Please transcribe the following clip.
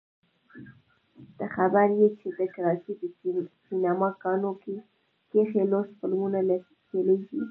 ته خبر يې چې د کراچۍ په سينما ګانو کښې لوڅ فلمونه چلېږي.